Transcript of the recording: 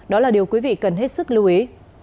đó là điều quý vị cần hết sức lưu ý